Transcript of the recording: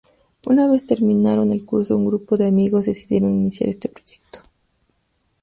Una vez terminaron el curso un grupo de amigos decidieron iniciar este proyecto.